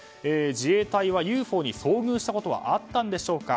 自衛隊はＵＦＯに遭遇したことはあったんでしょうか。